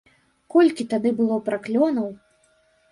Колькі тады было праклёнаў!